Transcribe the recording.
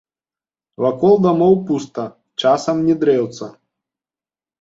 Вакол дамоў пуста, часам ні дрэўца.